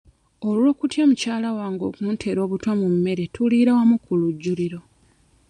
Olw'okutya mukyala wange okunteera obutwa mu mmere tuliira wamu ku lujjuliro.